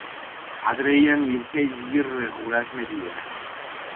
ადრეიანი ირფელი ჯგირი რე ღურაში მეტია.